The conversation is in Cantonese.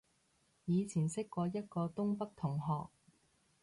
以前識過一個東北同學